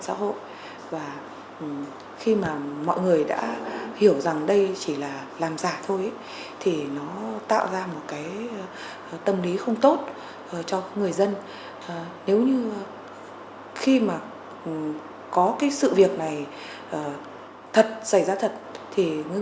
nếu như khi mà có cái sự việc này xảy ra thật thì người dân sẽ mất cảnh sát